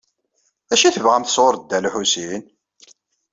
D acu i tebɣamt sɣur Dda Lḥusin?